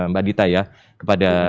mbak dita ya kepada